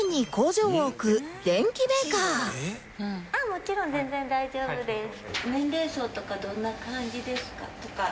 もちろん全然大丈夫です。